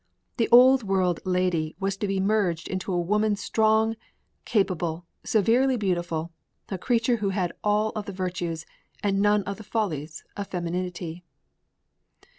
The old world lady was to be merged into a woman strong, capable, severely beautiful, a creature who had all of the virtues and none of the follies of femininity.